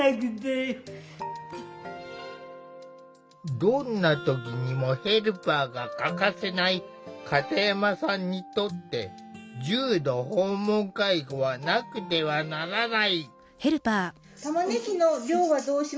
どんな時にもヘルパーが欠かせない片山さんにとって重度訪問介護はなくてはならない。